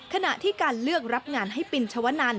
ขณะที่การเลือกรับงานให้ปินชวนัน